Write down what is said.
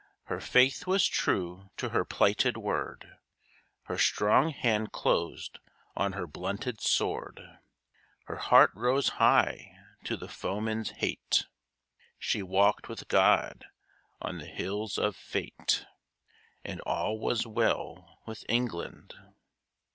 Her faith was true to her plighted word, Her strong hand closed on her blunted sword, Her heart rose high to the foeman's hate, She walked with God on the hills of Fate And all was well with England.